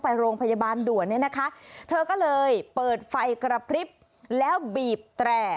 ไปโรงพยาบาลด่วนเนี่ยนะคะเธอก็เลยเปิดไฟกระพริบแล้วบีบแตร่